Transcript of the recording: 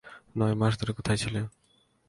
নয় মাস ধরে কোথায় ছিল?